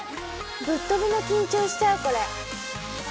ぶっとびの緊張しちゃうこれ。